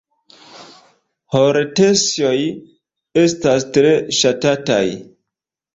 Hortensioj estas tre ŝatataj.